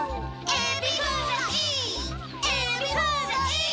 エビフライ！